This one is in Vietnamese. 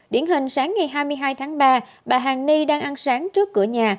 điển hình sáng ngày hai mươi hai tháng ba bà hàn ni đang ăn sáng trước cửa nhà